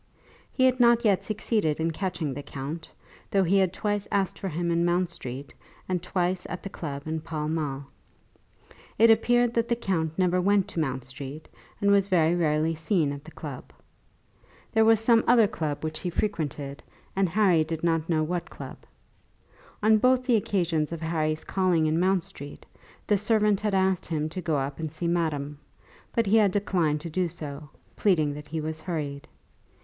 He had not yet succeeded in catching the count, though he had twice asked for him in Mount Street and twice at the club in Pall Mall. It appeared that the count never went to Mount Street, and was very rarely seen at the club. There was some other club which he frequented, and Harry did not know what club. On both the occasions of Harry's calling in Mount Street, the servant had asked him to go up and see madame; but he had declined to do so, pleading that he was hurried.